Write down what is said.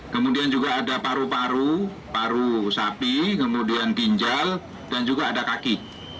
kemudian juga ada paru paru paru sapi kemudian ginjal dan juga ada kaki